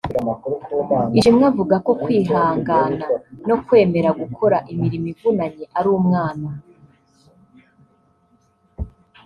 Ishimwe avuga ko kwihangana no kwemera gukora imirimo ivunanye ari umwana